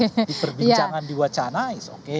di perbincangan di wacana is oke